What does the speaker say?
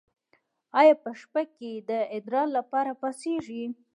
ایا په شپه کې د ادرار لپاره پاڅیږئ؟